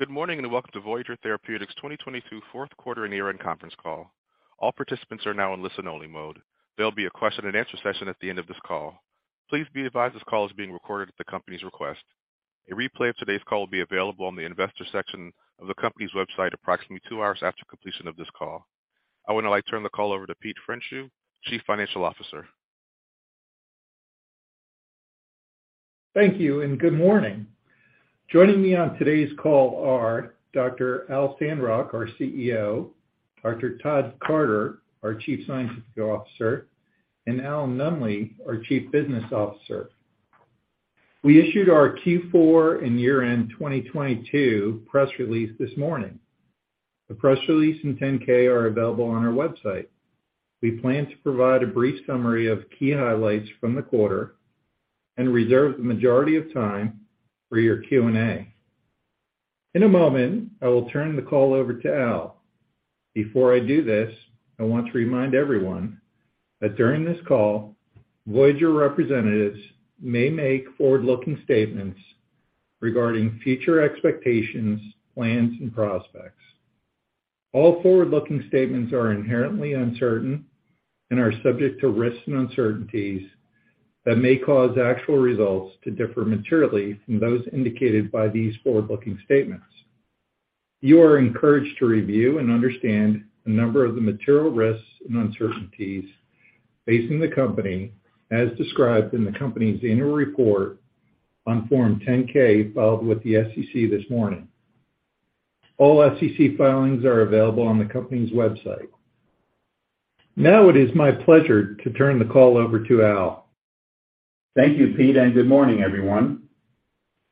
Good morning, welcome to Voyager Therapeutics' 2022 fourth quarter and year-end conference call. All participants are now in listen-only mode. There'll be a question and answer session at the end of this call. Please be advised this call is being recorded at the company's request. A replay of today's call will be available on the investor section of the company's website approximately two hours after completion of this call. I would now like to turn the call over to Peter Hecht, Chief Financial Officer. Thank you. Good morning. Joining me on today's call are Dr. Alfred Sandrock, our CEO, Dr. Todd Carter, our Chief Scientific Officer, and Allen Nunnally, our Chief Business Officer. We issued our Q4 and year-end 2022 press release this morning. The press release and 10-K are available on our website. We plan to provide a brief summary of key highlights from the quarter and reserve the majority of time for your Q&A. In a moment, I will turn the call over to Al. Before I do this, I want to remind everyone that during this call, Voyager representatives may make forward-looking statements regarding future expectations, plans, and prospects. All forward-looking statements are inherently uncertain and are subject to risks and uncertainties that may cause actual results to differ materially from those indicated by these forward-looking statements. You are encouraged to review and understand a number of the material risks and uncertainties facing the company as described in the company's annual report on Form 10-K filed with the SEC this morning. All SEC filings are available on the company's website. It is my pleasure to turn the call over to Al. Thank you, Pete, and good morning, everyone.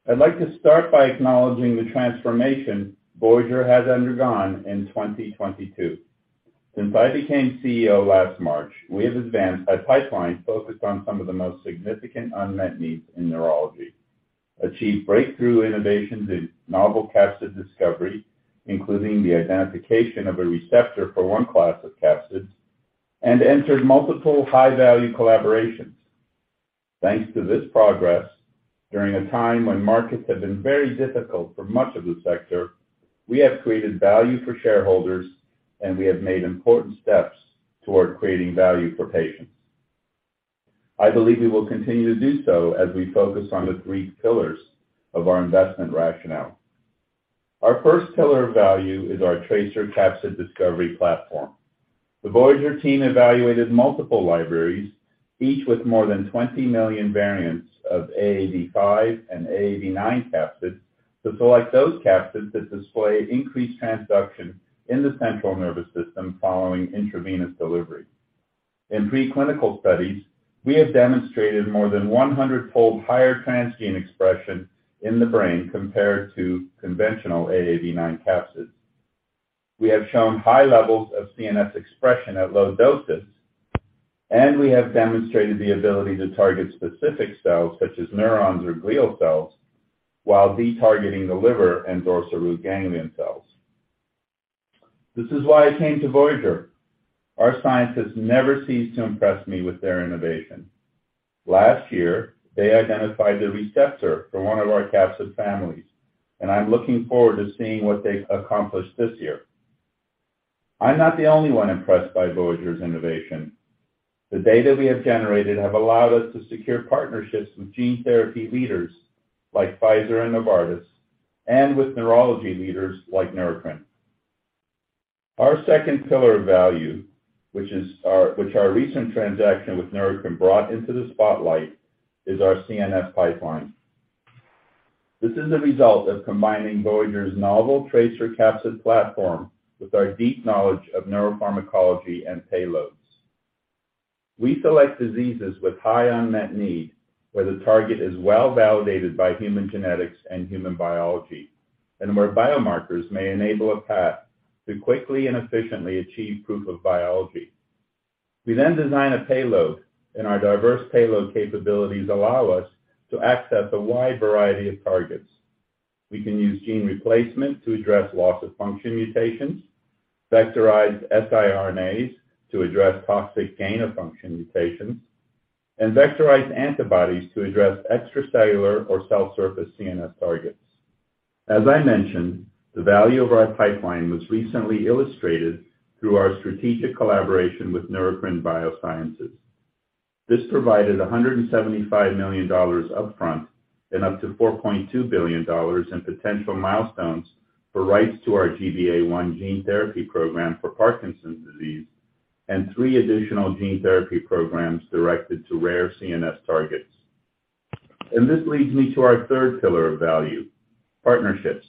I'd like to start by acknowledging the transformation Voyager has undergone in 2022. Since I became CEO last March, we have advanced a pipeline focused on some of the most significant unmet needs in neurology, achieved breakthrough innovations in novel capsid discovery, including the identification of a receptor for one class of capsids, and entered multiple high-value collaborations. Thanks to this progress, during a time when markets have been very difficult for much of the sector, we have created value for shareholders, and we have made important steps toward creating value for patients. I believe we will continue to do so as we focus on the three pillars of our investment rationale. Our first pillar of value is our TRACER capsid discovery platform. The Voyager team evaluated multiple libraries, each with more than 20 million variants of AAV5 and AAV9 capsid, to select those capsids that display increased transduction in the central nervous system following intravenous delivery. In pre-clinical studies, we have demonstrated more than 100-fold higher transgene expression in the brain compared to conventional AAV9 capsids. We have shown high levels of CNS expression at low doses. We have demonstrated the ability to target specific cells such as neurons or glial cells while de-targeting the liver and dorsal root ganglion cells. This is why I came to Voyager. Our scientists never cease to impress me with their innovation. Last year, they identified the receptor for one of our capsid families. I'm looking forward to seeing what they've accomplished this year. I'm not the only one impressed by Voyager's innovation. The data we have generated have allowed us to secure partnerships with gene therapy leaders like Pfizer and Novartis and with neurology leaders like Neurocrine. Our second pillar of value, which our recent transaction with Neurocrine brought into the spotlight, is our CNS pipeline. This is a result of combining Voyager's novel TRACER capsid platform with our deep knowledge of neuropharmacology and payloads. We select diseases with high unmet need, where the target is well-validated by human genetics and human biology, and where biomarkers may enable a path to quickly and efficiently achieve proof of biology. We then design a payload, and our diverse payload capabilities allow us to access a wide variety of targets. We can use gene replacement to address loss-of-function mutations, vectorized siRNAs to address toxic gain-of-function mutations, and vectorized antibodies to address extracellular or cell surface CNS targets. As I mentioned, the value of our pipeline was recently illustrated through our strategic collaboration with Neurocrine Biosciences. This provided $175 million upfront and up to $4.2 billion in potential milestones for rights to our GBA1 gene therapy program for Parkinson's disease and 3 additional gene therapy programs directed to rare CNS targets. This leads me to our third pillar of value, partnerships.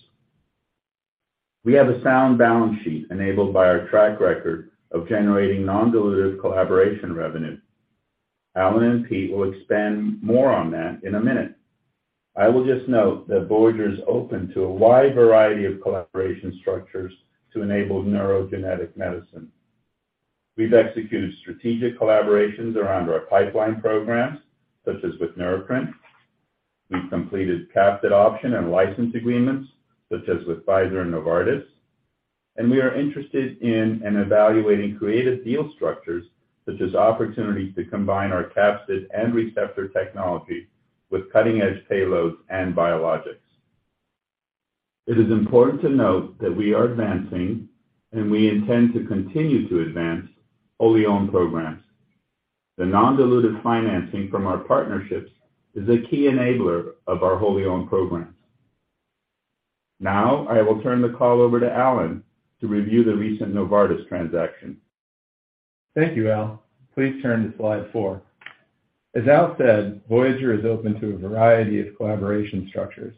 We have a sound balance sheet enabled by our track record of generating non-dilutive collaboration revenue. Allen and Pete will expand more on that in a minute. I will just note that Voyager is open to a wide variety of collaboration structures to enable neurogenetic medicine. We've executed strategic collaborations around our pipeline programs, such as with Neurocrine. We've completed capsid option and license agreements, such as with Pfizer and Novartis. We are interested in and evaluating creative deal structures, such as opportunities to combine our capsid and receptor technology with cutting-edge payloads and biologics. It is important to note that we are advancing, and we intend to continue to advance wholly owned programs. The non-dilutive financing from our partnerships is a key enabler of our wholly owned programs. Now, I will turn the call over to Allen to review the recent Novartis transaction. Thank you, Al. Please turn to slide four. As Al said, Voyager is open to a variety of collaboration structures.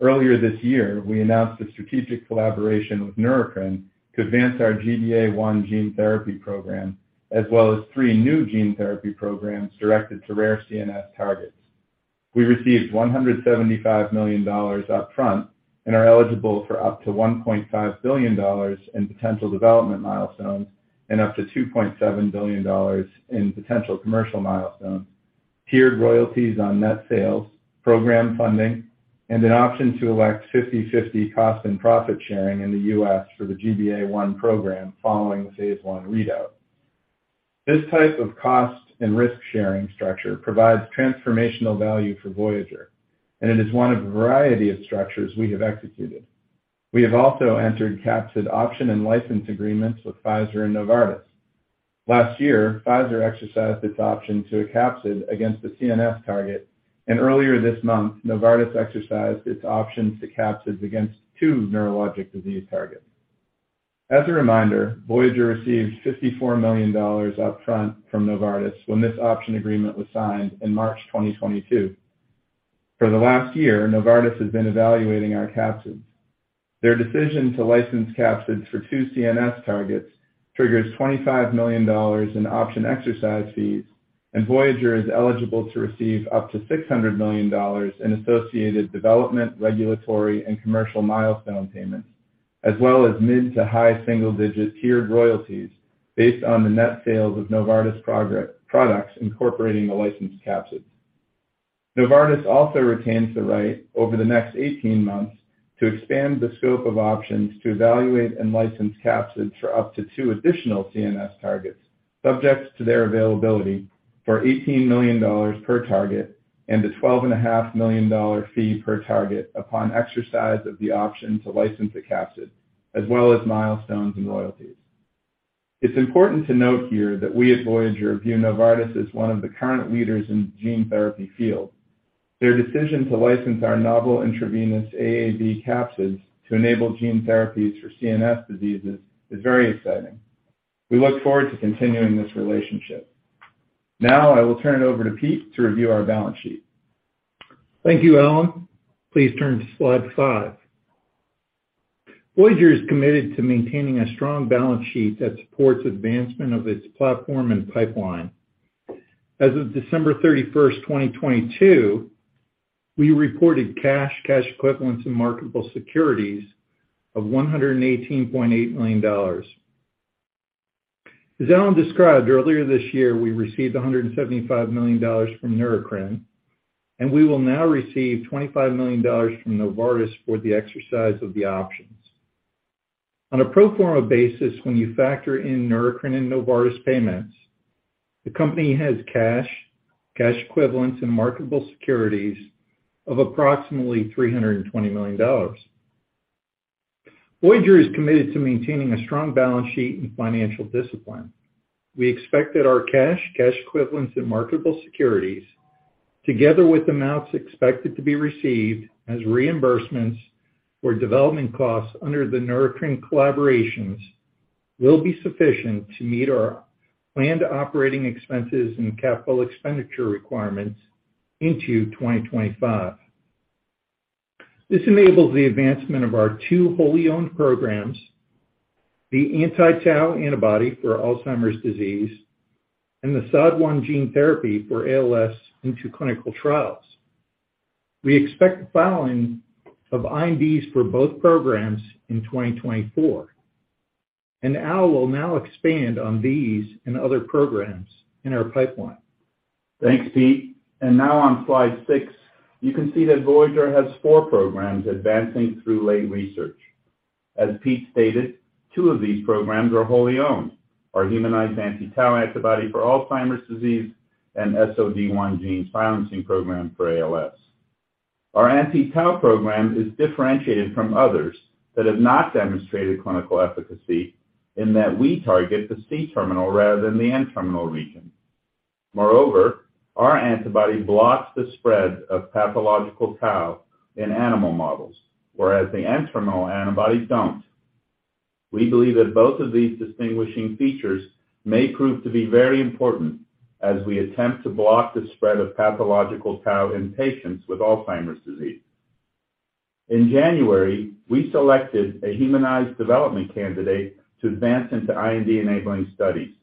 Earlier this year, we announced a strategic collaboration with Neurocrine Biosciences to advance our GBA1 gene therapy program, as well as three new gene therapy programs directed to rare CNS targets. We received $175 million upfront and are eligible for up to $1.5 billion in potential development milestones and up to $2.7 billion in potential commercial milestones, tiered royalties on net sales, program funding, and an option to elect 50/50 cost and profit sharing in the U.S. for the GBA1 program following the phase 1 readout. This type of cost and risk-sharing structure provides transformational value for Voyager, and it is one of a variety of structures we have executed. We have also entered capsid option and license agreements with Pfizer and Novartis. Last year, Pfizer exercised its option to a capsid against a CNS target. Earlier this month, Novartis exercised its options to capsids against two neurologic disease targets. As a reminder, Voyager received $54 million upfront from Novartis when this option agreement was signed in March 2022. For the last year, Novartis has been evaluating our capsids. Their decision to license capsids for two CNS targets triggers $25 million in option exercise fees. Voyager is eligible to receive up to $600 million in associated development, regulatory, and commercial milestone payments, as well as mid to high single-digit tiered royalties based on the net sales of Novartis products incorporating the licensed capsid. Novartis also retains the right over the next 18 months to expand the scope of options to evaluate and license capsids for up to two additional CNS targets, subject to their availability for $18 million per target and a $12.5 million fee per target upon exercise of the option to license a capsid, as well as milestones and royalties. It's important to note here that we at Voyager view Novartis as one of the current leaders in the gene therapy field. Their decision to license our novel intravenous AAV capsids to enable gene therapies for CNS diseases is very exciting. We look forward to continuing this relationship. Now, I will turn it over to Pete to review our balance sheet. Thank you, Allen. Please turn to slide 5. Voyager is committed to maintaining a strong balance sheet that supports advancement of its platform and pipeline. As of December 31st, 2022, we reported cash equivalents, and marketable securities of $118.8 million. As Allen described earlier this year, we received $175 million from Neurocrine, and we will now receive $25 million from Novartis for the exercise of the options. On a pro forma basis, when you factor in Neurocrine and Novartis payments, the company has cash equivalents, and marketable securities of approximately $320 million. Voyager is committed to maintaining a strong balance sheet and financial discipline. We expect that our cash equivalents, and marketable securities, together with amounts expected to be received as reimbursements for development costs under the Neurocrine collaborations, will be sufficient to meet our planned operating expenses and capital expenditure requirements into 2025. This enables the advancement of our 2 wholly owned programs, the anti-tau antibody for Alzheimer's disease and the SOD1 gene therapy for ALS into clinical trials. We expect filing of INDs for both programs in 2024, Al will now expand on these and other programs in our pipeline. Thanks, Pete. Now on slide 6, you can see that Voyager has four programs advancing through late research. As Pete stated, two of these programs are wholly owned, our humanized anti-tau antibody for Alzheimer's disease and SOD1 gene silencing program for ALS. Our anti-tau program is differentiated from others that have not demonstrated clinical efficacy in that we target the C-terminal rather than the N-terminal region. Moreover, our antibody blocks the spread of pathological tau in animal models, whereas the N-terminal antibodies don't. We believe that both of these distinguishing features may prove to be very important as we attempt to block the spread of pathological tau in patients with Alzheimer's disease. In January, we selected a humanized development candidate to advance into IND-enabling studies.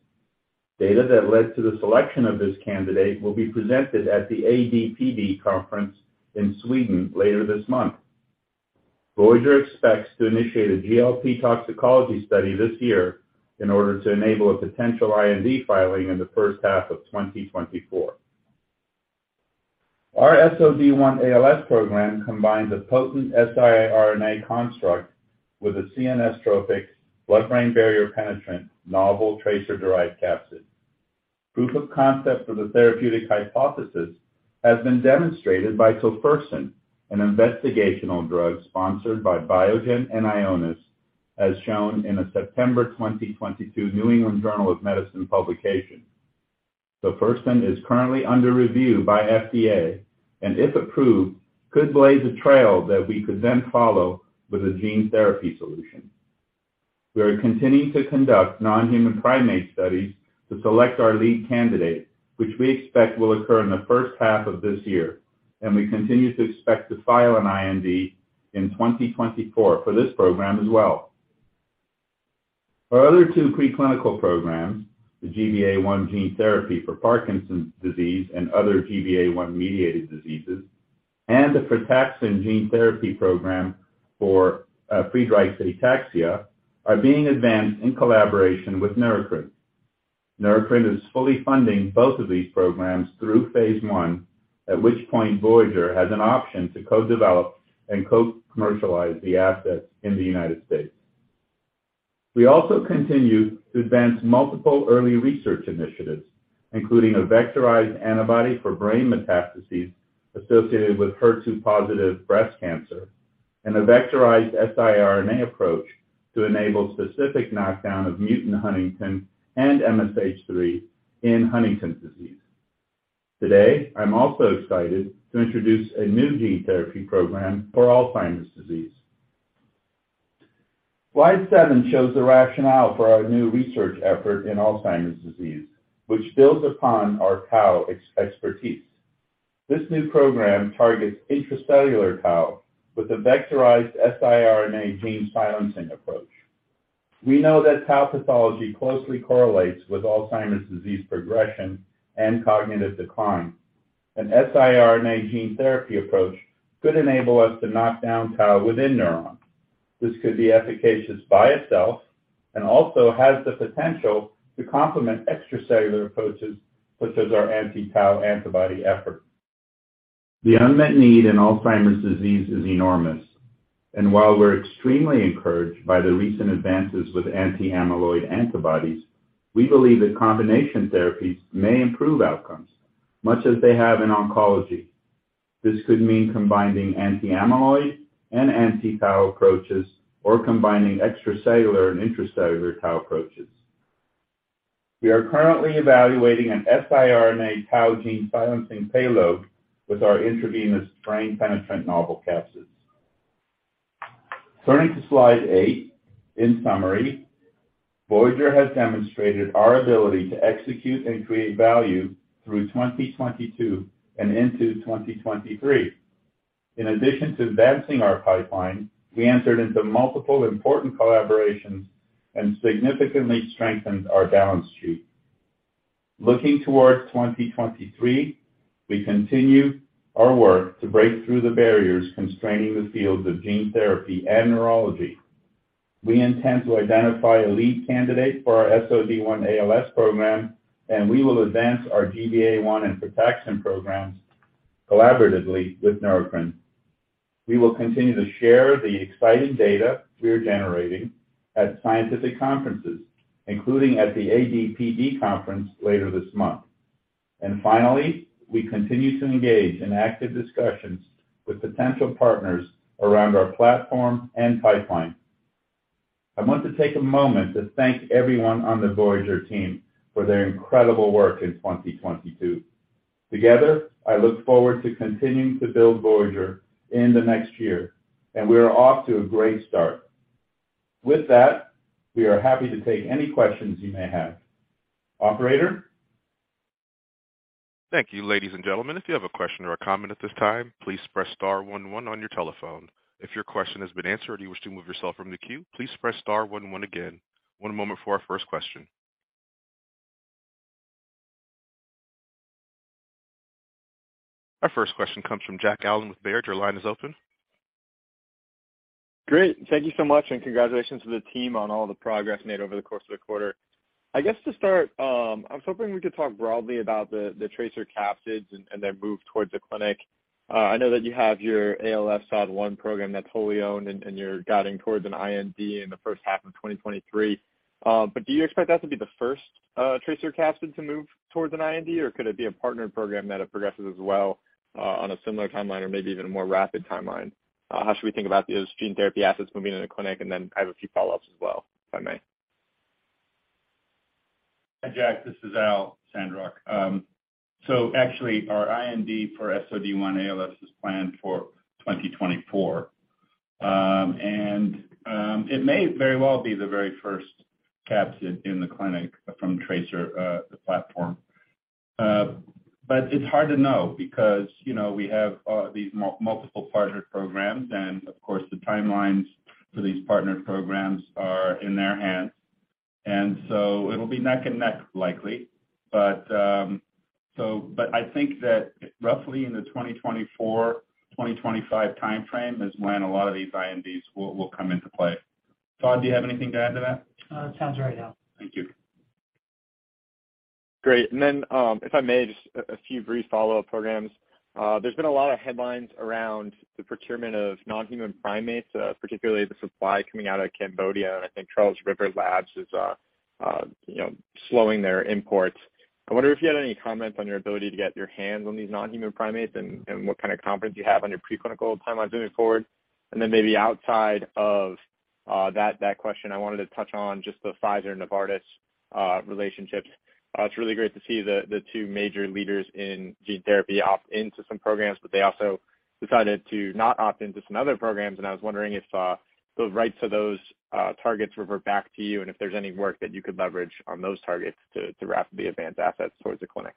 Data that led to the selection of this candidate will be presented at the AD/PD conference in Sweden later this month. Voyager expects to initiate a GLP toxicology study this year in order to enable a potential IND filing in the first half of 2024. Our SOD1 ALS program combines a potent siRNA construct with a CNS trophic blood-brain barrier penetrant novel TRACER-derived capsid. Proof of concept of the therapeutic hypothesis has been demonstrated by Tofersen, an investigational drug sponsored by Biogen and Ionis, as shown in a September 2022 New England Journal of Medicine publication. Tofersen is currently under review by FDA, if approved, could blaze a trail that we could then follow with a gene therapy solution. We are continuing to conduct non-human primate studies to select our lead candidate, which we expect will occur in the first half of this year, we continue to expect to file an IND in 2024 for this program as well. Our other two preclinical programs, the GBA1 gene therapy for Parkinson's disease and other GBA1-mediated diseases, and the frataxin gene therapy program for Friedreich's ataxia, are being advanced in collaboration with Neurocrine. Neurocrine is fully funding both of these programs through phase 1, at which point Voyager has an option to co-develop and co-commercialize the assets in the United States. We also continue to advance multiple early research initiatives, including a vectorized antibody for brain metastases associated with HER2-positive breast cancer and a vectorized siRNA approach to enable specific knockdown of mutant huntingtin and MSH3 in Huntington's disease. Today, I'm also excited to introduce a new gene therapy program for Alzheimer's disease. Slide seven shows the rationale for our new research effort in Alzheimer's disease, which builds upon our tau ex-expertise. This new program targets intracellular tau with a vectorized siRNA gene silencing approach. We know that tau pathology closely correlates with Alzheimer's disease progression and cognitive decline. An siRNA gene therapy approach could enable us to knock down tau within neurons. This could be efficacious by itself and also has the potential to complement extracellular approaches such as our anti-tau antibody effort. The unmet need in Alzheimer's disease is enormous. While we're extremely encouraged by the recent advances with anti-amyloid antibodies, we believe that combination therapies may improve outcomes, much as they have in oncology. This could mean combining anti-amyloid and anti-tau approaches or combining extracellular and intracellular tau approaches. We are currently evaluating an siRNA tau gene silencing payload with our intravenous brain-penetrant novel capsids. Turning to slide 8, in summary, Voyager has demonstrated our ability to execute and create value through 2022 and into 2023. In addition to advancing our pipeline, we entered into multiple important collaborations and significantly strengthened our balance sheet. Looking towards 2023, we continue our work to break through the barriers constraining the fields of gene therapy and neurology. We intend to identify a lead candidate for our SOD1 ALS program, and we will advance our GBA1 and frataxin programs collaboratively with Neurocrine. We will continue to share the exciting data we are generating at scientific conferences, including at the ADPD conference later this month. Finally, we continue to engage in active discussions with potential partners around our platform and pipeline. I want to take a moment to thank everyone on the Voyager team for their incredible work in 2022. Together, I look forward to continuing to build Voyager in the next year, and we are off to a great start. With that, we are happy to take any questions you may have. Operator? Thank you, ladies and gentlemen. If you have a question or a comment at this time, please press *11 on your telephone. If your question has been answered or you wish to remove yourself from the queue, please press *11 again. One moment for our first question. Our first question comes from Jack Allen with Baird. Your line is open. Great. Thank you so much. Congratulations to the team on all the progress made over the course of the quarter. I guess to start, I was hoping we could talk broadly about the TRACER capsids and then move towards the clinic. I know that you have your ALS SOD1 program that's wholly owned and you're guiding towards an IND in the first half of 2023. Do you expect that to be the first TRACER capsid to move towards an IND, or could it be a partnered program that it progresses as well, on a similar timeline or maybe even a more rapid timeline? How should we think about the other gene therapy assets moving into the clinic? Then I have a few follow-ups as well, if I may. Hi, Jack. This is Alfred Sandrock. Actually our IND for SOD1ALS is planned for 2024. It may very well be the very first capsid in the clinic from TRACER, the platform. It's hard to know because, you know, we have these multiple partnered programs, and of course, the timelines for these partnered programs are in their hands. It'll be neck and neck likely. I think that roughly in the 2024-2025 timeframe is when a lot of these INDs will come into play. Todd, do you have anything to add to that? sounds right, Al. Thank you. Great. If I may, just a few brief follow-up programs. There's been a lot of headlines around the procurement of non-human primates, particularly the supply coming out of Cambodia. I think Charles River Laboratories is, you know, slowing their imports. I wonder if you had any comments on your ability to get your hands on these non-human primates and what kind of confidence you have on your preclinical timelines moving forward. Maybe outside of that question, I wanted to touch on just the Pfizer/Novartis relationship. It's really great to see the two major leaders in gene therapy opt into some programs, but they also decided to not opt into some other programs. I was wondering if the rights to those targets revert back to you, and if there's any work that you could leverage on those targets to rapidly advance assets towards the clinic.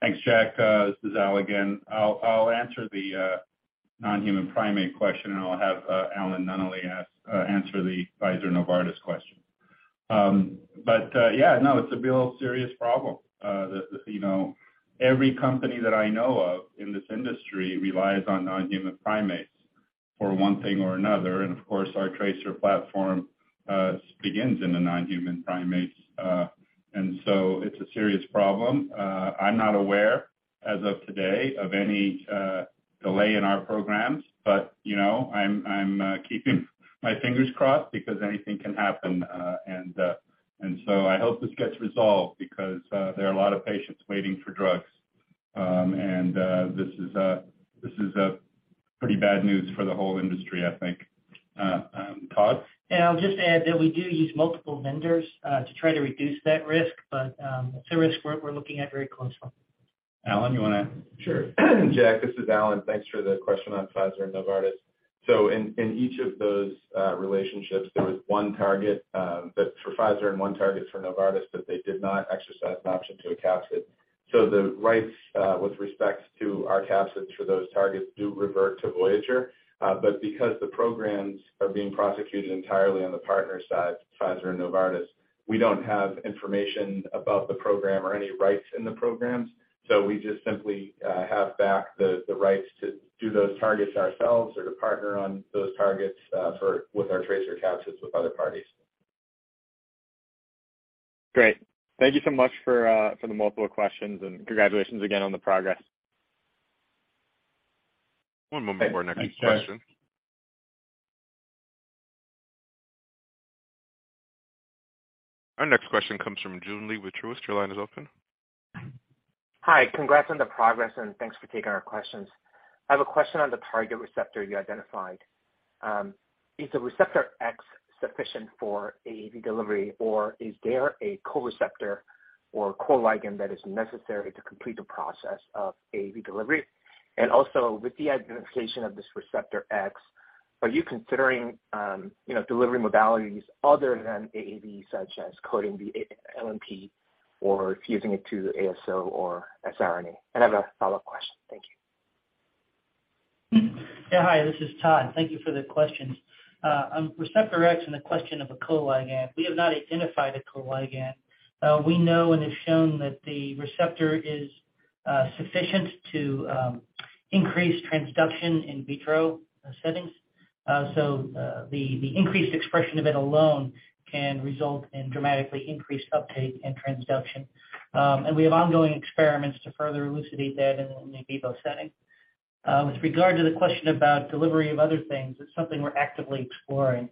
Thanks, Jack. This is Al again. I'll answer the non-human primate question, and I'll have Allen Nunnally answer the Pfizer/Novartis question. Yeah, no, it's a real serious problem. The, you know, every company that I know of in this industry relies on non-human primates for one thing or another. Of course, our TRACER platform begins in the non-human primates. It's a serious problem. I'm not aware as of today of any delay in our programs, but, you know, I'm keeping my fingers crossed because anything can happen. I hope this gets resolved because there are a lot of patients waiting for drugs. This is a pretty bad news for the whole industry, I think. Todd? Yeah, I'll just add that we do use multiple vendors to try to reduce that risk, but it's a risk we're looking at very closely. Allen, you wanna? Sure. Jack, this is Allen. Thanks for the question on Pfizer and Novartis. In each of those relationships, there was one target that for Pfizer and one target for Novartis that they did not exercise an option to a capsid. The rights with respect to our capsids for those targets do revert to Voyager. Because the programs are being prosecuted entirely on the partner side, Pfizer and Novartis, we don't have information about the program or any rights in the programs. We just simply have back the rights to do those targets ourselves or to partner on those targets with our TRACER capsids with other parties. Great. Thank you so much for the multiple questions. Congratulations again on the progress. One moment for our next question. Thanks. Our next question comes from Joon Lee with Truist. Your line is open. Hi. Congrats on the progress, and thanks for taking our questions. I have a question on the target receptor you identified. Is the receptor X sufficient for AAV delivery, or is there a co-receptor or co-ligand that is necessary to complete the process of AAV delivery? With the identification of this receptor X, are you considering, you know, delivery modalities other than AAV such as coding the LNP or fusing it to ASO or siRNA? I have a follow-up question. Thank you. Yeah. Hi, this is Todd. Thank you for the questions. On receptor X and the question of a co-ligand, we have not identified a co-ligand. We know and have shown that the receptor is sufficient to increase transduction in vitro settings. The increased expression of it alone can result in dramatically increased uptake and transduction. We have ongoing experiments to further elucidate that in an in vivo setting. With regard to the question about delivery of other things, it's something we're actively exploring,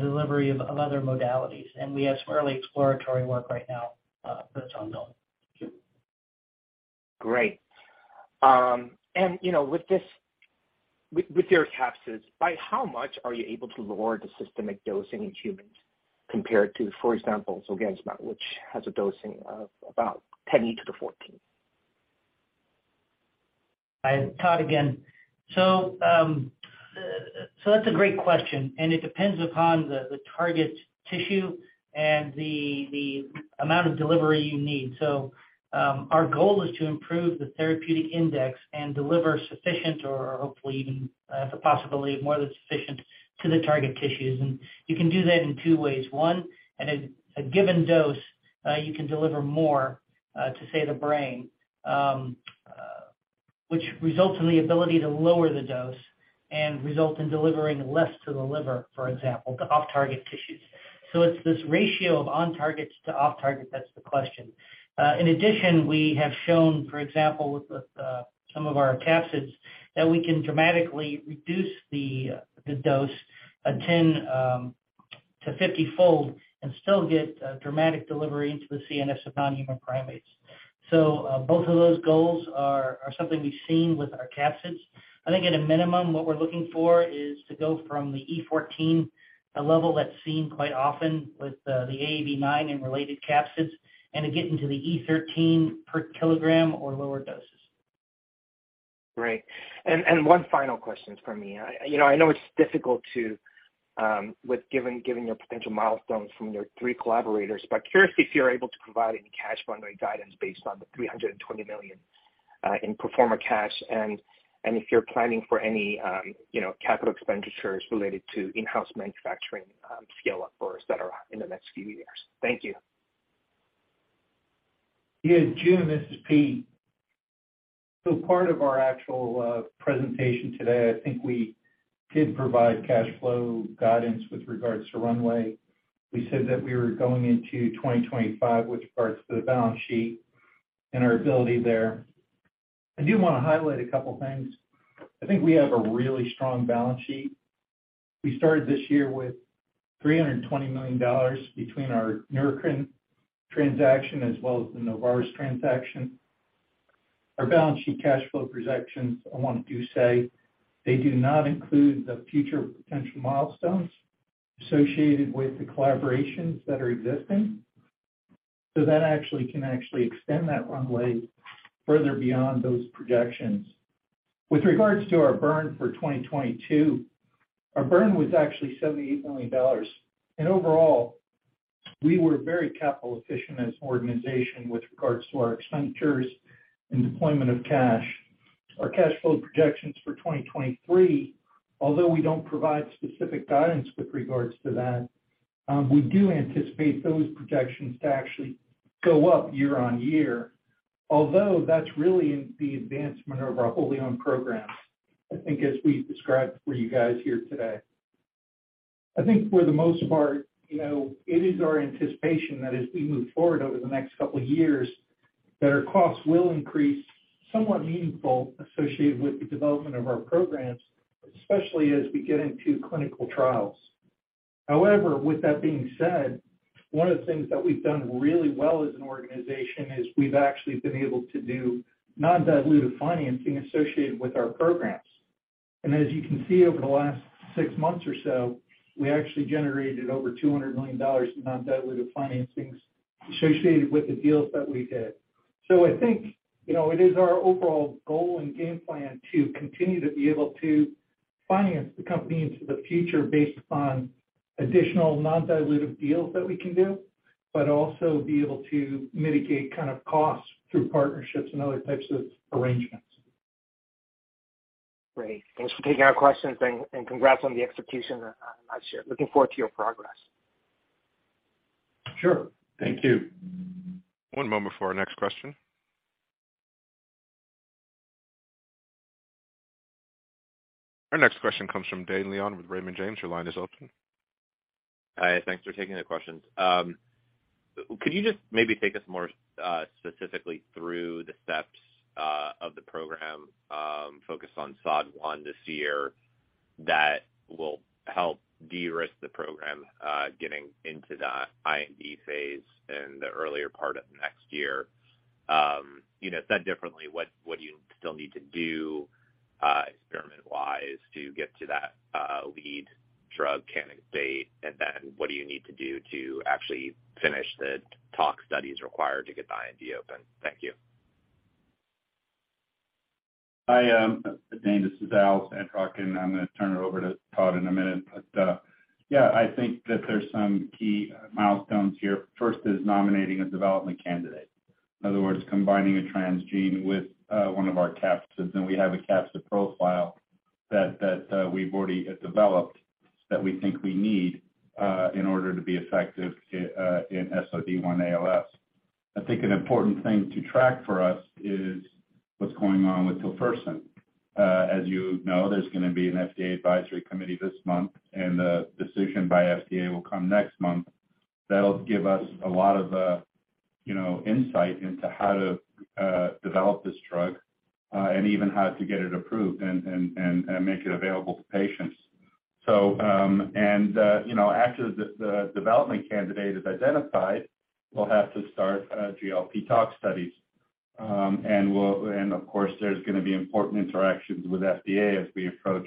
delivery of other modalities. We have some early exploratory work right now, that's ongoing. Great. you know, with this, with your capsids, by how much are you able to lower the systemic dosing in humans compared to, for example, Zolgensma, which has a dosing of about 10 E to the 14? Hi, Todd again. That's a great question, and it depends upon the target tissue and the amount of delivery you need. Our goal is to improve the therapeutic index and deliver sufficient or hopefully even the possibility of more than sufficient to the target tissues. You can do that in 2 ways. One, at a given dose, you can deliver more to say, the brain, which results in the ability to lower the dose and result in delivering less to the liver, for example, the off-target tissues. It's this ratio of on-targets to off-target that's the question. In addition, we have shown, for example, with some of our capsids, that we can dramatically reduce the dose, 10 to 50-fold and still get dramatic delivery into the CNS of non-human primates. Both of those goals are something we've seen with our capsids. I think at a minimum, what we're looking for is to go from the E14, a level that's seen quite often with the AAV9 and related capsids, and to get into the E13 per kilogram or lower doses. Great. One final question from me. You know, I know it's difficult to, with given, giving your potential milestones from your three collaborators. Curious if you're able to provide any cash flow guidance based on the $320 million in pro forma cash, and if you're planning for any, you know, capital expenditures related to in-house manufacturing, scale-up or et cetera in the next few years. Thank you. Yeah, Joon, this is Peter. Part of our actual presentation today, I think we did provide cash flow guidance with regards to runway. We said that we were going into 2025 with regards to the balance sheet and our ability there. I do want to highlight a couple of things. I think we have a really strong balance sheet. We started this year with $320 million between our Neurocrine transaction as well as the Novartis transaction. Our balance sheet cash flow projections, I want to do say they do not include the future potential milestones associated with the collaborations that are existing. That actually can actually extend that runway further beyond those projections. With regards to our burn for 2022, our burn was actually $78 million. Overall, we were very capital efficient as an organization with regards to our expenditures and deployment of cash. Our cash flow projections for 2023, although we don't provide specific guidance with regards to that, we do anticipate those projections to actually go up year-over-year. That's really in the advancement of our wholly owned programs, I think as we described for you guys here today. I think for the most part, you know, it is our anticipation that as we move forward over the next couple of years, that our costs will increase somewhat meaningful associated with the development of our programs, especially as we get into clinical trials. However, with that being said, one of the things that we've done really well as an organization is we've actually been able to do non-dilutive financing associated with our programs. As you can see over the last 6 months or so, we actually generated over $200 million in non-dilutive financings associated with the deals that we did. I think, you know, it is our overall goal and game plan to continue to be able to finance the company into the future based upon additional non-dilutive deals that we can do, but also be able to mitigate kind of costs through partnerships and other types of arrangements. Great. Thanks for taking our questions and congrats on the execution last year. Looking forward to your progress. Sure. Thank you. One moment for our next question. Our next question comes from Dane Leone with Raymond James. Your line is open. Hi. Thanks for taking the questions. Could you just maybe take us more specifically through the steps of the program focused on SOD1 this year that will help de-risk the program getting into the IND phase in the earlier part of next year? You know, said differently, what do you still need to do experiment-wise to get to that lead drug candidate? What do you need to do to actually finish the tox studies required to get the IND open? Thank you. Hi, Dane. This is Alfred Sandrock, and I'm going to turn it over to Todd in a minute. Yeah, I think that there's some key milestones here. First is nominating a development candidate. In other words, combining a transgene with one of our capsids. We have a capsid profile that we've already developed that we think we need in order to be effective in SOD1-ALS. I think an important thing to track for us is what's going on with Tofersen. As you know, there's going to be an FDA advisory committee this month, and the decision by FDA will come next month. That'll give us a lot of, you know, insight into how to develop this drug, and even how to get it approved and make it available to patients. You know, after the development candidate is identified, we'll have to start GLP tox studies. Of course, there's going to be important interactions with FDA as we approach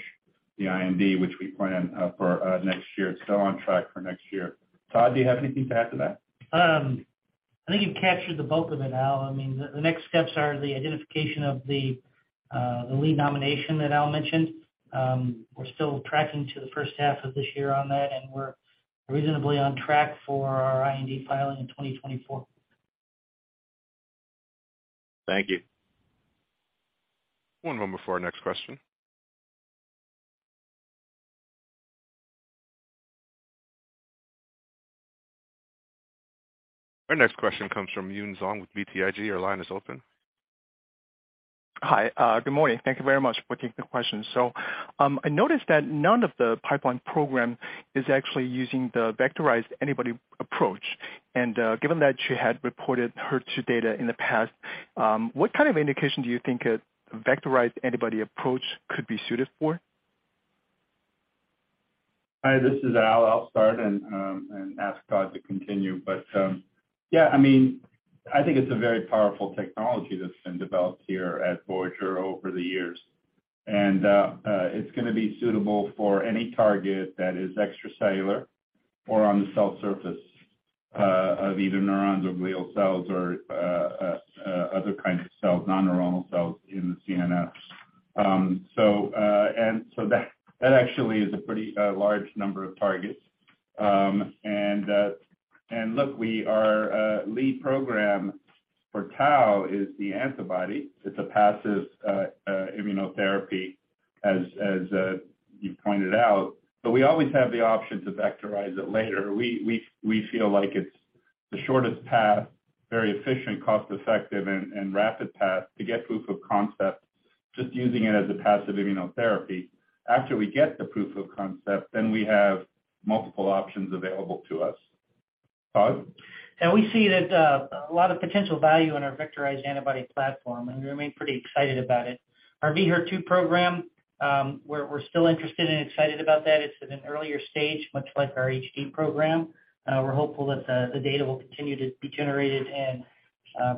the IND, which we plan for next year. It's still on track for next year. Todd, do you have anything to add to that? I think you've captured the bulk of it, Al. I mean, the next steps are the identification of the lead nomination that Al mentioned. We're still tracking to the first half of this year on that, and we're reasonably on track for our IND filing in 2024. Thank you. One moment before our next question. Our next question comes from Yun Zhong with BTIG. Your line is open. Hi. Good morning. Thank you very much for taking the question. I noticed that none of the pipeline program is actually using the vectorized antibody approach. Given that she had reported HER2 data in the past, what kind of indication do you think a vectorized antibody approach could be suited for? Hi, this is Al. I'll start and ask Todd to continue. Yeah, I mean, I think it's a very powerful technology that's been developed here at Voyager over the years. It's gonna be suitable for any target that is extracellular or on the cell surface of either neurons or glial cells or other kinds of cells, non-neuronal cells in the CNS. That actually is a pretty large number of targets. Look, we are lead program for tau is the antibody. It's a passive immunotherapy. As you pointed out. We always have the option to vectorize it later. We feel like it's the shortest path, very efficient, cost-effective, and rapid path to get proof of concept, just using it as a passive immunotherapy. After we get the proof of concept, we have multiple options available to us. Todd? We see that a lot of potential value in our vectorized antibody platform, and we remain pretty excited about it. Our VY-HER2 program, we're still interested and excited about that. It's at an earlier stage, much like our HD program. We're hopeful that the data will continue to be generated and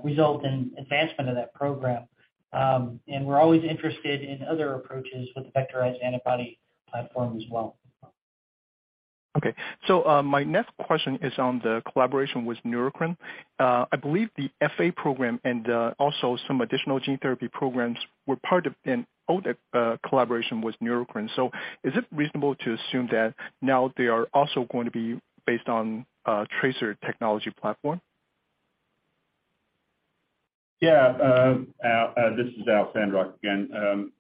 result in advancement of that program. We're always interested in other approaches with the vectorized antibody platform as well. Okay. My next question is on the collaboration with Neurocrine. I believe the FA program and, also some additional gene therapy programs were part of an old, collaboration with Neurocrine. Is it reasonable to assume that now they are also going to be based on, TRACER technology platform? Yeah. This is Al Sandrock again.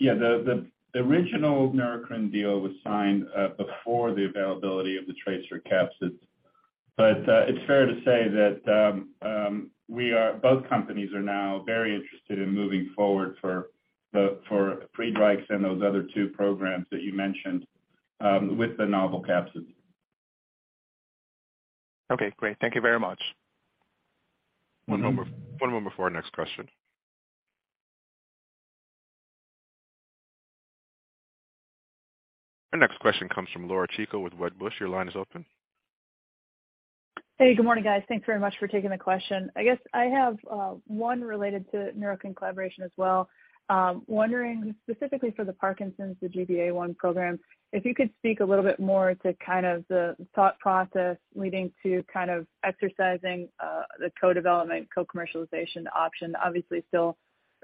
Yeah, the original Neurocrine deal was signed before the availability of the TRACER capsid. It's fair to say that both companies are now very interested in moving forward for Friedreich and those other two programs that you mentioned, with the novel capsid. Okay, great. Thank you very much. One moment before our next question. Our next question comes from Laura Chico with Wedbush. Your line is open. Hey, good morning, guys. Thanks very much for taking the question. I guess I have one related to Neurocrine collaboration as well. Wondering specifically for the Parkinson's, the GBA1 program, if you could speak a little bit more to kind of the thought process leading to kind of exercising the co-development, co-commercialization option. Obviously, still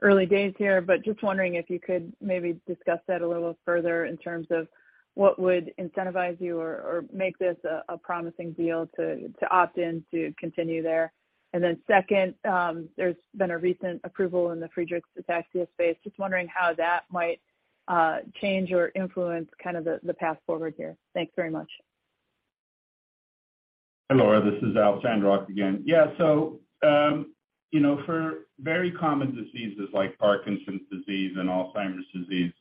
early days here, but just wondering if you could maybe discuss that a little further in terms of what would incentivize you or make this a promising deal to opt in to continue there. Second, there's been a recent approval in the Friedreich's ataxia space. Just wondering how that might change or influence kind of the path forward here. Thanks very much. Hi, Laura, this is Al Sandrock again. Yeah. You know, for very common diseases like Parkinson's disease and Alzheimer's disease,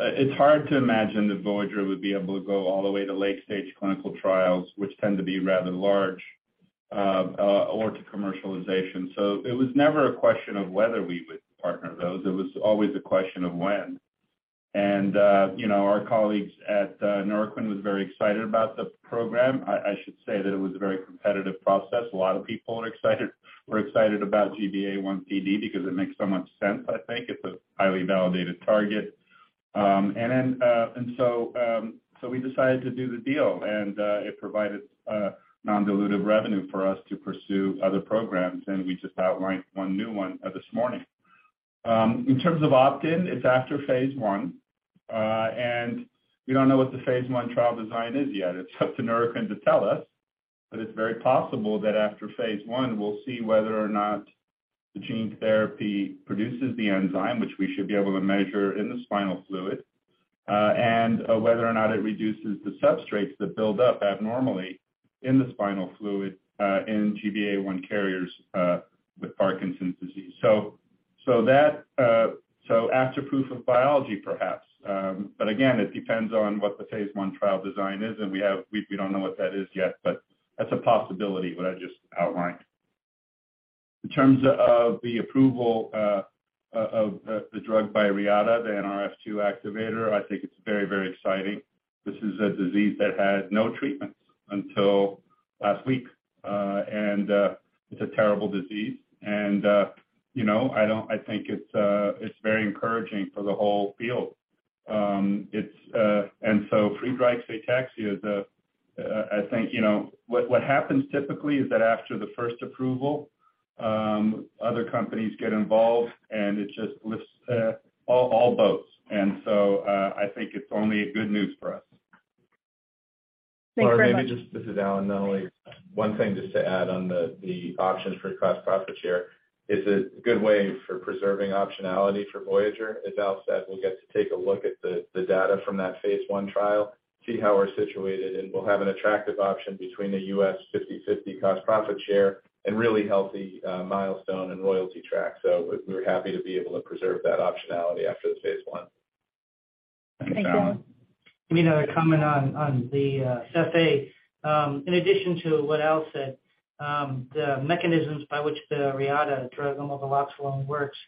it's hard to imagine that Voyager would be able to go all the way to late-stage clinical trials, which tend to be rather large, or to commercialization. It was never a question of whether we would partner those, it was always a question of when. You know, our colleagues at Neurocrine was very excited about the program. I should say that it was a very competitive process. A lot of people are excited, were excited about GBA1 for PD because it makes so much sense, I think. It's a highly validated target. We decided to do the deal, and it provided non-dilutive revenue for us to pursue other programs, and we just outlined one new one this morning. In terms of opt-in, it's after phase 1. We don't know what the phase 1 trial design is yet. It's up to Neurocrine to tell us. It's very possible that after phase 1, we'll see whether or not the gene therapy produces the enzyme, which we should be able to measure in the spinal fluid, and whether or not it reduces the substrates that build up abnormally in the spinal fluid in GBA1 carriers with Parkinson's disease. After proof of biology, perhaps. Again, it depends on what the phase 1 trial design is, and we don't know what that is yet, but that's a possibility, what I just outlined. In terms of the approval of the drug by Reata, the Nrf2 activator, I think it's very, very exciting. This is a disease that had no treatments until last week. It's a terrible disease. You know, I think it's very encouraging for the whole field. It's... Friedreich's ataxia is, I think, you know... What happens typically is that after the first approval, other companies get involved, and it just lifts all boats. I think it's only good news for us. Thanks very much. Laura, maybe just. This is Allen Nunnally. One thing just to add on the options for cost profit share. It's a good way for preserving optionality for Voyager. As Al said, we'll get to take a look at the data from that phase I trial, see how we're situated, and we'll have an attractive option between the U.S. 50/50 cost profit share and really healthy milestone and royalty track. We're happy to be able to preserve that optionality after the phase I. Thanks, Allen. Let me add a comment on the FA. In addition to what Al said, the mechanisms by which the Reata drug omaveloxolone works,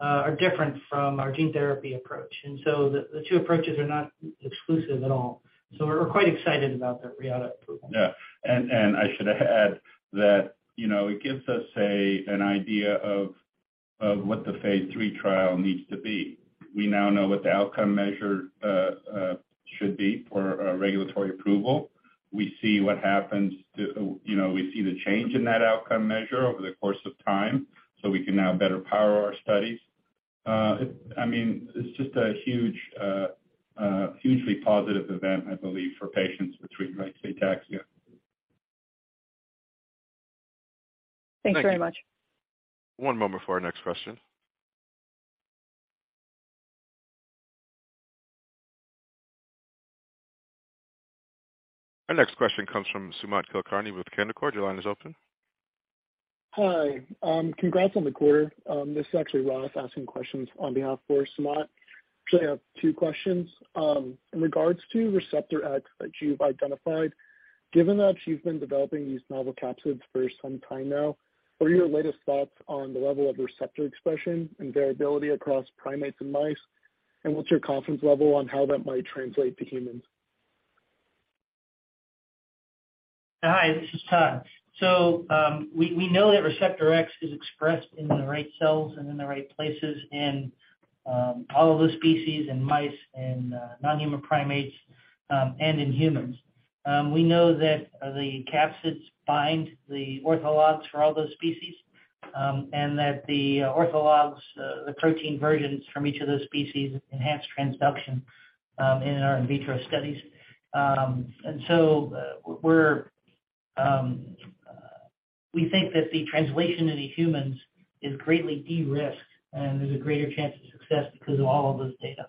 are different from our gene therapy approach. The two approaches are not exclusive at all. We're quite excited about the Reata approval. Yeah. I should add that, you know, it gives us an idea of what the phase 3 trial needs to be. We now know what the outcome measure should be for a regulatory approval. We see what happens to... You know, we see the change in that outcome measure over the course of time, so we can now better power our studies. I mean, it's just a huge, hugely positive event, I believe, for patients with Friedreich's ataxia. Thanks very much. One moment for our next question. Our next question comes from Sumant Kulkarni with Canaccord. Your line is open. Hi. Congrats on the quarter. This is actually Ross asking questions on behalf for Sumant. Actually have two questions. In regards to receptor X that you've identified, given that you've been developing these novel capsids for some time now, what are your latest thoughts on the level of receptor expression and variability across primates and mice? What's your confidence level on how that might translate to humans? Hi, this is Todd. We know that receptor X is expressed in the right cells and in the right places in all of the species in mice and non-human primates and in humans. We know that the capsids bind the orthologs for all those species and that the orthologs, the protein versions from each of those species enhance transduction in our in vitro studies. We think that the translation into humans is greatly de-risked, and there's a greater chance of success because of all of this data.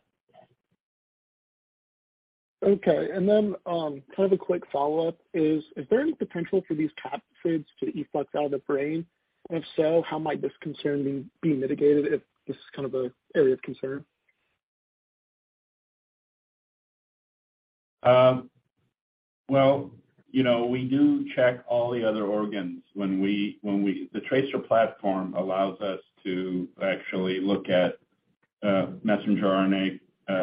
Okay. kind of a quick follow-up is there any potential for these capsids to efflux out of the brain? if so, how might this concern be mitigated if this is kind of an area of concern? Well, you know, we do check all the other organs. When we, the TRACER platform allows us to actually look at messenger RNA,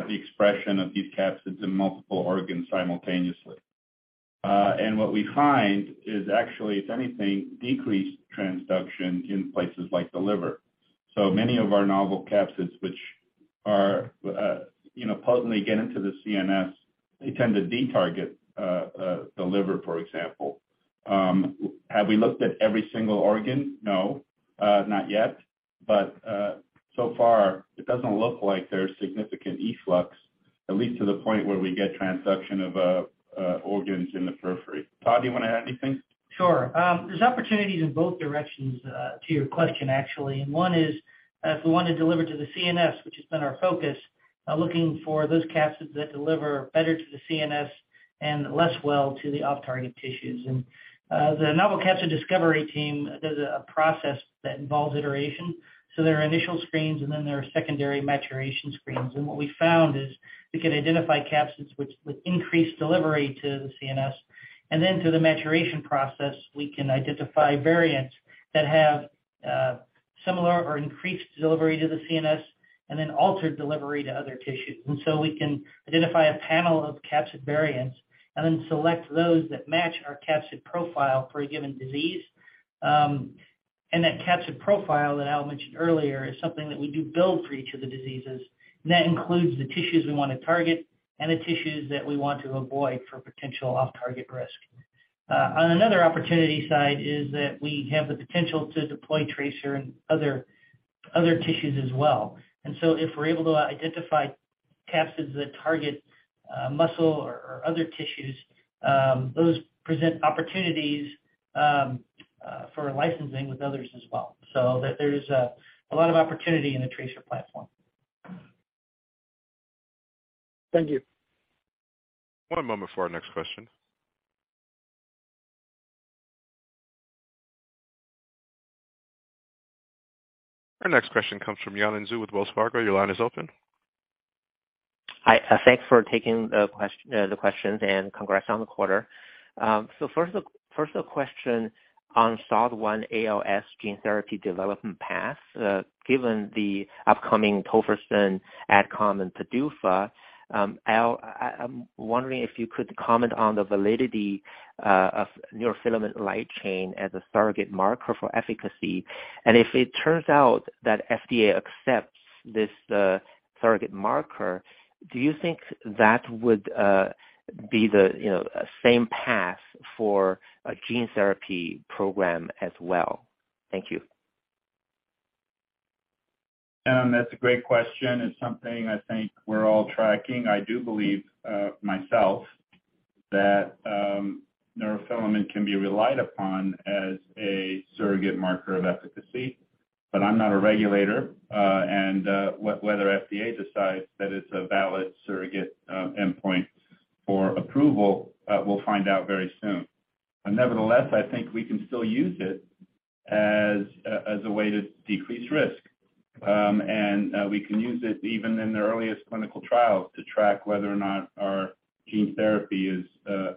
the expression of these capsids in multiple organs simultaneously. What we find is actually, if anything, decreased transduction in places like the liver. Many of our novel capsids, which are, you know, potently get into the CNS, they tend to de-target the liver, for example. Have we looked at every single organ? No, not yet. So far, it doesn't look like there's significant efflux, at least to the point where we get transduction of organs in the periphery. Todd, do you wanna add anything? Sure. There's opportunities in both directions, to your question, actually. One is, if we wanna deliver to the CNS, which has been our focus, looking for those capsids that deliver better to the CNS and less well to the off-target tissues. The novel capsid discovery team, there's a process that involves iteration. There are initial screens, and then there are secondary maturation screens. What we found is we can identify capsids which with increased delivery to the CNS, and then through the maturation process, we can identify variants that have similar or increased delivery to the CNS and then altered delivery to other tissues. We can identify a panel of capsid variants and then select those that match our capsid profile for a given disease. And that capsid profile that Al mentioned earlier is something that we do build for each of the diseases. And that includes the tissues we wanna target and the tissues that we want to avoid for potential off-target risk. On another opportunity side is that we have the potential to deploy TRACER in other tissues as well. If we're able to identify capsids that target muscle or other tissues, those present opportunities for licensing with others as well. There's a lot of opportunity in the TRACER platform. Thank you. One moment for our next question. Our next question comes from Yanan Zhu with Wells Fargo. Your line is open. Hi. Thanks for taking the questions and congrats on the quarter. First, a question on SOD1 ALS gene therapy development path. Given the upcoming Tofersen AdCom and PDUFA, Al, I'm wondering if you could comment on the validity of neurofilament light chain as a surrogate marker for efficacy. If it turns out that FDA accepts this surrogate marker, do you think that would be the, you know, same path for a gene therapy program as well? Thank you. That's a great question. It's something I think we're all tracking. I do believe myself that neurofilament can be relied upon as a surrogate marker of efficacy. I'm not a regulator, and whether FDA decides that it's a valid surrogate endpoint for approval, we'll find out very soon. Nevertheless, I think we can still use it as a way to decrease risk. We can use it even in the earliest clinical trials to track whether or not our gene therapy is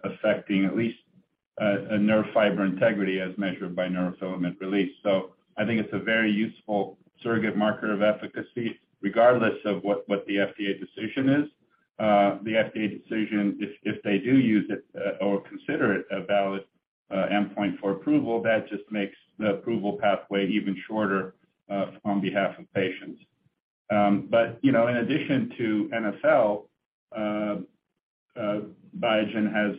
affecting at least a nerve fiber integrity as measured by neurofilament release. I think it's a very useful surrogate marker of efficacy regardless of what the FDA decision is. The FDA decision, if they do use it or consider it a valid endpoint for approval, that just makes the approval pathway even shorter on behalf of patients. You know, in addition to NFL, Biogen has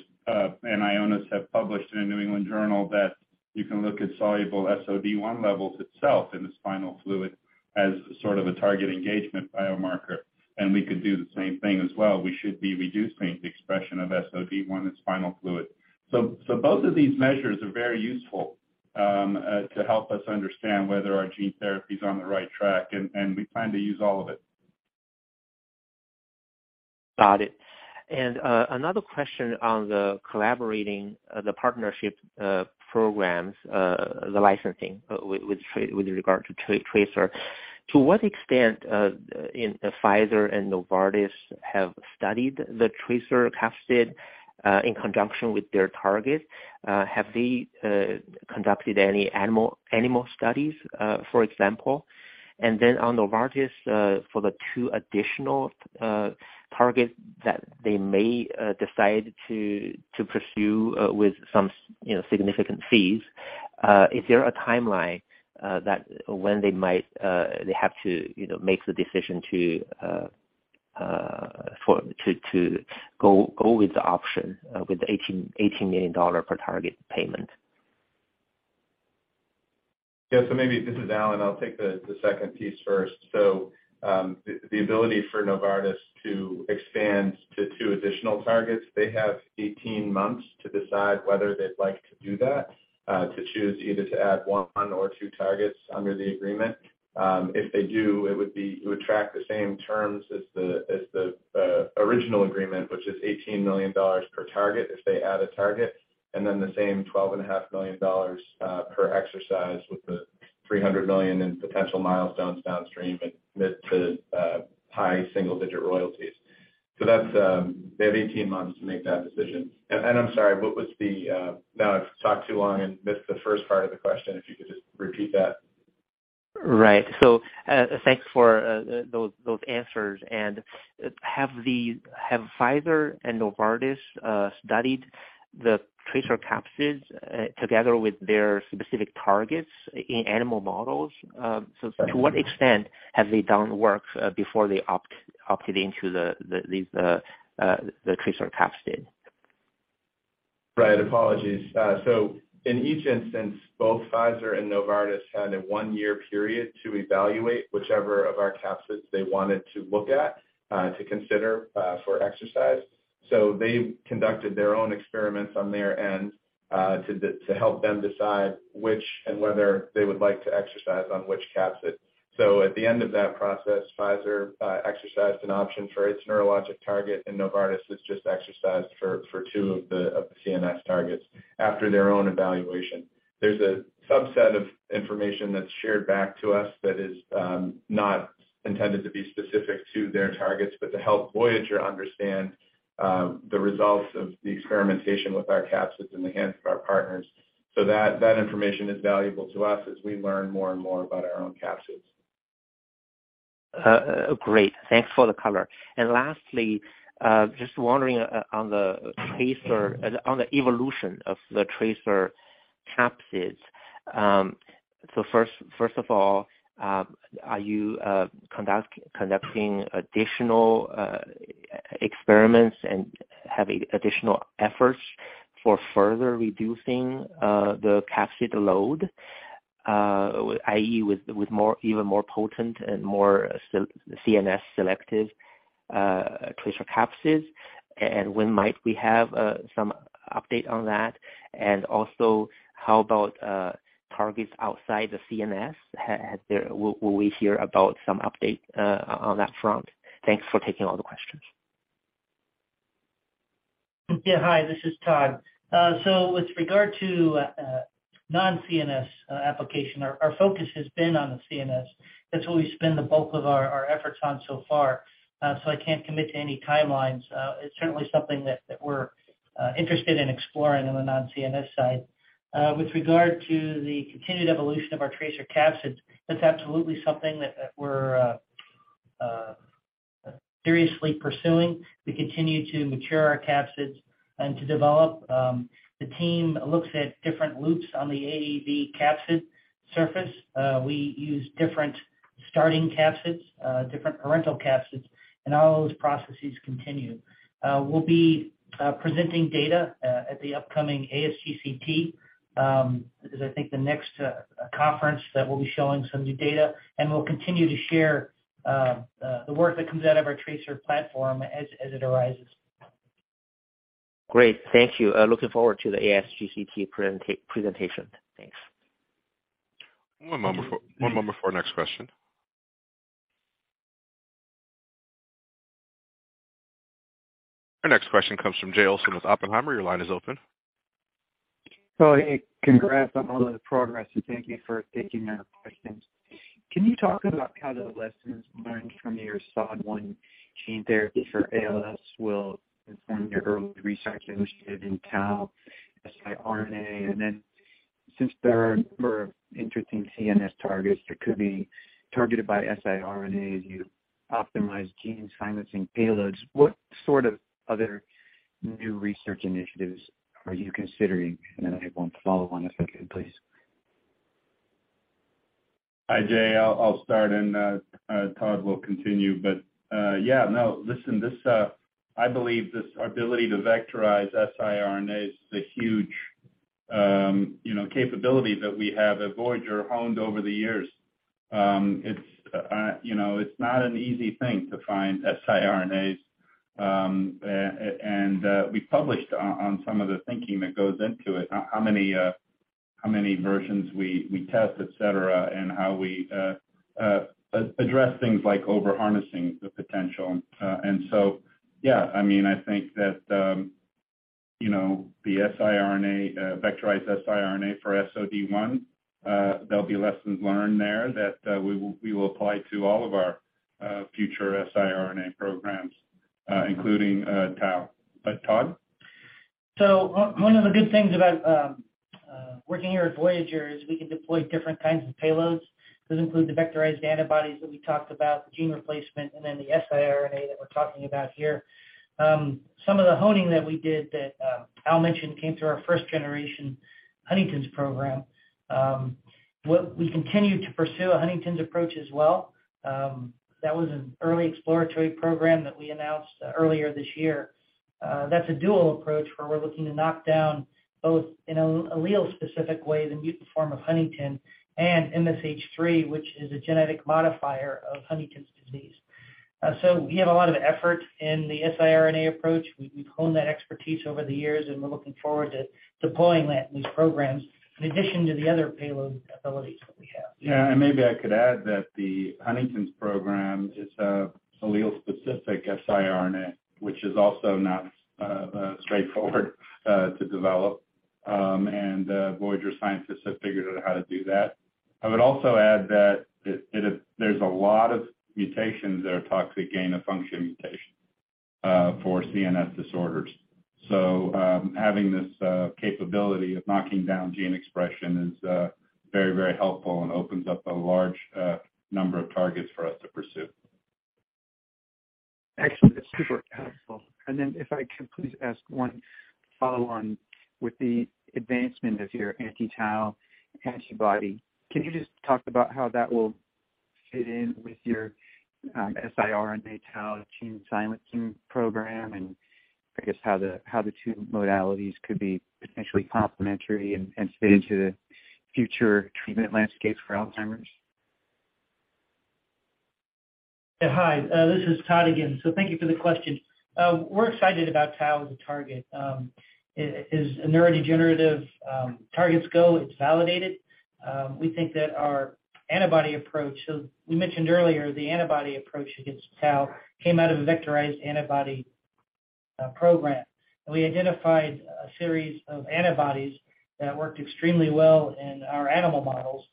and Ionis have published in The New England Journal of Medicine that you can look at soluble SOD1 levels itself in the spinal fluid as sort of a target engagement biomarker, and we could do the same thing as well. We should be reducing the expression of SOD1 in spinal fluid. Both of these measures are very useful to help us understand whether our gene therapy is on the right track, and we plan to use all of it. Got it. Another question on the collaborating, the partnership, programs, the licensing, with regard to TRACER. To what extent, in Pfizer and Novartis have studied the TRACER capsid, in conjunction with their target? Have they conducted any animal studies, for example? On Novartis, for the two additional targets that they may decide to pursue, with some you know, significant fees, is there a timeline that when they might they have to, you know, make the decision to for to go with the option, with the $18 million per target payment? Yeah. Maybe this is Allen, I'll take the second piece first. The ability for Novartis to expand to 2 additional targets, they have 18 months to decide whether they'd like to do that, to choose either to add 1 or 2 targets under the agreement. If they do, it would track the same terms as the original agreement, which is $18 million per target if they add a target, and then the same twelve and a half million dollars per exercise with the $300 million in potential milestones downstream and mid to high single digit royalties. That's, they have 18 months to make that decision. I'm sorry, what was the... Now I've talked too long and missed the first part of the question, if you could just repeat that. Right. Thanks for those answers. Have Pfizer and Novartis studied the TRACER capsids together with their specific targets in animal models? To what extent have they done work before they opted into the, these, the TRACER capsid? Apologies. In each instance, both Pfizer and Novartis had a one-year period to evaluate whichever of our capsids they wanted to look at, to consider for exercise. They conducted their own experiments on their end, to help them decide which and whether they would like to exercise on which capsid. At the end of that process, Pfizer exercised an option for its neurologic target, and Novartis has just exercised for two of the CNS targets after their own evaluation. There's a subset of information that's shared back to us that is not intended to be specific to their targets, but to help Voyager understand the results of the experimentation with our capsids in the hands of our partners. that information is valuable to us as we learn more and more about our own capsids. Great. Thanks for the color. Lastly, just wondering on the TRACER, on the evolution of the TRACER capsids. First of all, are you conducting additional experiments and having additional efforts for further reducing the capsid load, i.e., with more, even more potent and more CNS selective TRACER capsids, and when might we have some update on that? Also, how about targets outside the CNS? Will we hear about some update on that front? Thanks for taking all the questions. Hi, this is Todd Carter. With regard to non-CNS application, our focus has been on the CNS. That's what we spend the bulk of our efforts on so far. I can't commit to any timelines. It's certainly something that we're interested in exploring on the non-CNS side. With regard to the continued evolution of our TRACER capsids, that's absolutely something that we're seriously pursuing. We continue to mature our capsids and to develop, the team looks at different loops on the AAV capsid surface. We use different starting capsids, different parental capsids, and all those processes continue. We'll be presenting data at the upcoming ASGCT, is I think the next conference that we'll be showing some new data, and we'll continue to share the work that comes out of our TRACER platform as it arises. Great. Thank you. Looking forward to the ASGCT presentation. Thanks. One moment before our next question. Our next question comes from Jay Olson with Oppenheimer. Your line is open. Hey, congrats on all the progress, and thank you for taking our questions. Can you talk about how the lessons learned from your SOD1 gene therapy for ALS will inform your early research initiative in tau, siRNA? Since there are a number of interesting CNS targets that could be targeted by siRNAs as you optimize gene silencing payloads, what sort of other new research initiatives are you considering? I have one follow on if I could, please. Hi, Jay. I'll start and Todd will continue. Yeah, no, listen, this, I believe this ability to vectorize siRNA is the huge, you know, capability that we have at Voyager honed over the years. It's, you know, it's not an easy thing to find siRNAs. And we published on some of the thinking that goes into it, how many. How many versions we test, et cetera, and how we address things like over harnessing the potential. Yeah, I mean, I think that, you know, the siRNA, vectorized siRNA for SOD1, there'll be lessons learned there that we will apply to all of our future siRNA programs, including tau. Todd? One of the good things about working here at Voyager is we can deploy different kinds of payloads. Those include the vectorized antibodies that we talked about, the gene replacement, and then the siRNA that we're talking about here. Some of the honing that we did that Al mentioned came through our first generation Huntington's program. We continue to pursue a Huntington's approach as well. That was an early exploratory program that we announced earlier this year. That's a dual approach where we're looking to knock down both in an allele-specific way, the mutant form of huntingtin and MSH3, which is a genetic modifier of Huntington's disease. We have a lot of effort in the siRNA approach. We've honed that expertise over the years, and we're looking forward to deploying that in these programs in addition to the other payload abilities that we have. Yeah. Maybe I could add that the Huntington's program is allele-specific siRNA, which is also not straightforward to develop. Voyager scientists have figured out how to do that. I would also add that there's a lot of mutations that are toxic gain-of-function mutations for CNS disorders. Having this capability of knocking down gene expression is very, very helpful and opens up a large number of targets for us to pursue. Actually, that's super helpful. If I could please ask one follow on with the advancement of your anti-tau antibody. Can you just talk about how that will fit in with your siRNA tau gene silencing program, and I guess how the two modalities could be potentially complementary and fit into the future treatment landscape for Alzheimer's? Hi, this is Todd again. Thank you for the question. We're excited about tau as a target. As neurodegenerative targets go, it's validated. We think that our antibody approach. We mentioned earlier the antibody approach against tau came out of a vectorized antibody program. We identified a series of antibodies that worked extremely well in our animal models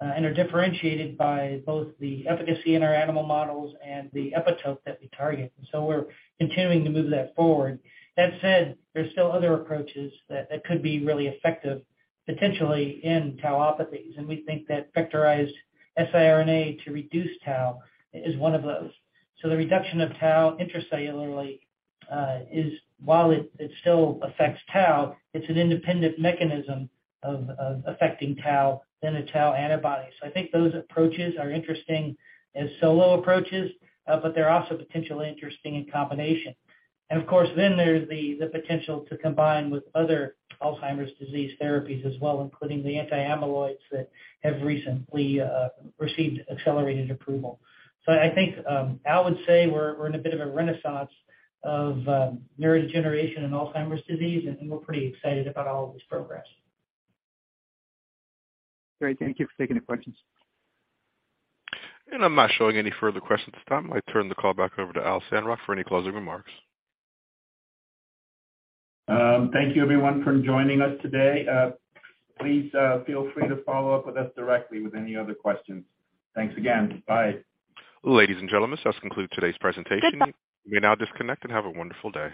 and are differentiated by both the efficacy in our animal models and the epitope that we target. We're continuing to move that forward. That said, there's still other approaches that could be really effective potentially in tauopathies, and we think that vectorized siRNA to reduce tau is one of those. The reduction of tau intracellularly is while it still affects tau, it's an independent mechanism of affecting tau than a tau antibody. I think those approaches are interesting as solo approaches, but they're also potentially interesting in combination. Of course, then there's the potential to combine with other Alzheimer's disease therapies as well, including the anti-amyloids that have recently received accelerated approval. I think, Al would say we're in a bit of a renaissance of neurodegeneration and Alzheimer's disease, and we're pretty excited about all of this progress. Great. Thank you for taking the questions. I'm not showing any further questions at this time. I turn the call back over to Alfred Sandrock for any closing remarks. Thank you everyone for joining us today. Please feel free to follow up with us directly with any other questions. Thanks again. Bye. Ladies and gentlemen, this does conclude today's presentation. You may now disconnect and have a wonderful day.